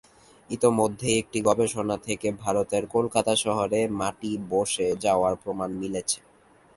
ইতোমধ্যেই একটি গবেষণা থেকে ভারতের কলকাতা শহরে, মাটি বসে যাওয়ার প্রমাণ মিলেছে।